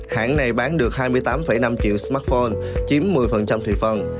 hãng này bán được hai mươi tám năm triệu smartphone chiếm một mươi thị phần